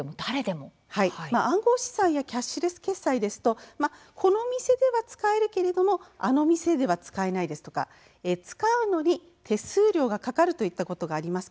暗号資産やキャッシュレス決済ですとこのお店では使えるけれどあのお店では使えないですとか使うのに手数料がかかるといったことがあります。